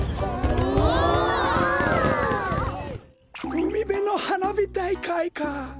うみべのはなびたいかいか。